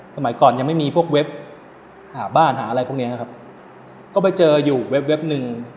สมัยก่อนยังไม่มีพวกเว็บหาบ้านหาอะไรพวกเนี้ยนะครับก็ไปเจออยู่เว็บหนึ่ง